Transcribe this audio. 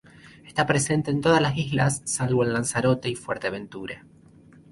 Está presente en todas las islas salvo en Lanzarote y Fuerteventura.